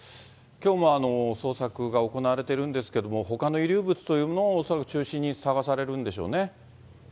きょうも捜索が行われているんですけれども、ほかの遺留物というものも恐らく中心に捜されるんでしょうね。